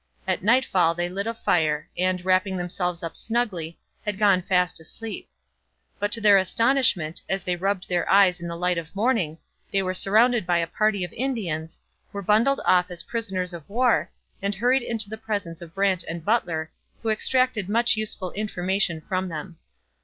At nightfall they lit a fire, and, wrapping themselves up snugly, had gone fast asleep. But to their astonishment, as they rubbed their eyes in the light of morning, they were surrounded by a party of Indians, were bundled off as prisoners of war, and hurried into the presence of Brant and Butler, who extracted much useful information from them.